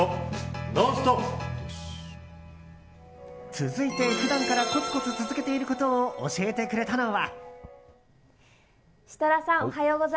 続いて、普段からコツコツ続けていることを教えてくれたのは。